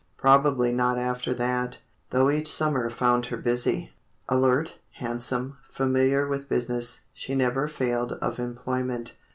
Probably not after that, though each summer found her busy. Alert, handsome, familiar with business, she never failed of employment.